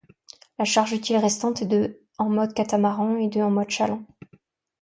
La charge utile restante est de en mode catamaran et de en mode chaland.